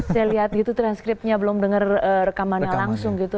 saya lihat gitu transkripnya belum denger rekamannya langsung gitu